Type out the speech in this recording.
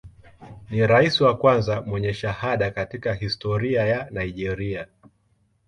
Ni rais wa kwanza mwenye shahada katika historia ya Nigeria.